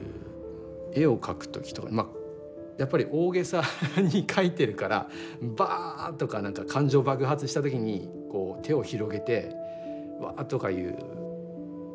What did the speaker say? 絵を描く時とかまやっぱり大げさに描いてるからバッとか何か感情爆発した時にこう手を広げて「ワ」とかいうふうにしたいわけです。